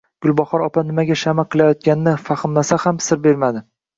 Gulbahor opa nimaga shama qilayotganini fahmlasa ham sir bermadi